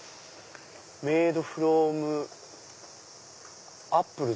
メイドフロムアップルズ。